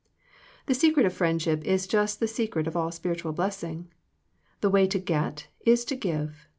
The secret of friendship is just the se cret of all spiritual blessing. The way to get is to give.